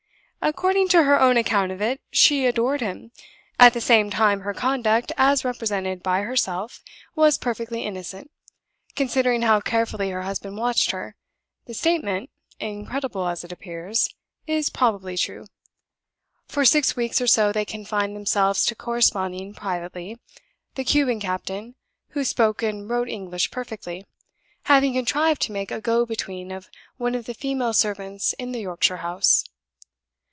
"According to her own account of it, she adored him. At the same time her conduct (as represented by herself) was perfectly innocent. Considering how carefully her husband watched her, the statement (incredible as it appears) is probably true. For six weeks or so they confined themselves to corresponding privately, the Cuban captain (who spoke and wrote English perfectly) having contrived to make a go between of one of the female servants in the Yorkshire house.